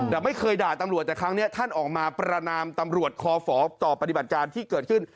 แต่ไม่เคยด่าตำรวจแต่ครั้งนี้ท่านออกมาประนามตำรวจคอฝต่อปฏิบัติการที่เกิดขึ้น